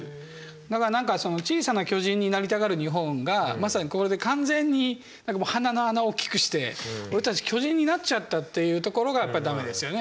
だから何か小さな巨人になりたがる日本がまさにこれで完全に何かもう鼻の穴を大きくして俺たち巨人になっちゃったっていうところが駄目ですよね